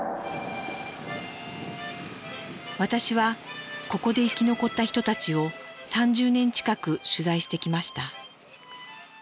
私はここで生き残った人たちを３０年近く取材してきました。